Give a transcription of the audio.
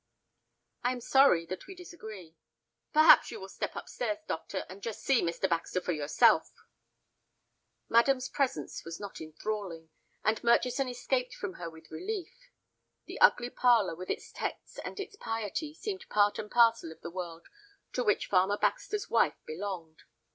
"I am sorry that we disagree." "Perhaps you will step up stairs, doctor, and just see Mr. Baxter for yourself." Madam's presence was not enthralling, and Murchison escaped from her with relief. The ugly parlor, with its texts and its piety, seemed part and parcel of the world to which farmer Baxter's wife belonged.